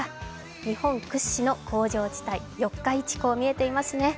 日本屈指の工場地帯四日市港が見えていますね。